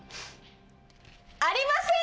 ありません！